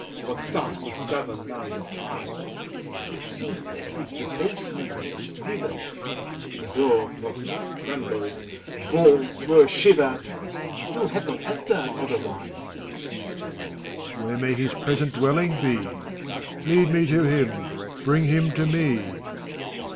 — What stars must govern now the skies! It seemed as if the basement quivered ; 70 FAUST. The door posts trembled, bolts were shivered : You had not entered, otherwise. MEPHISTOPHELES. Where may his present dwelling bef Lead me to him ! Bring him to me